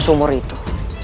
ke sumur itu